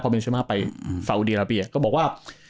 พอเบนเซมาไปสาวเดียละปีก็บอกว่า